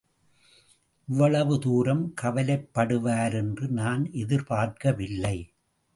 இவ்வளவு தூரம் கவலைப்படுவாரென்று நான் எதிர்பார்க்கவில்லை.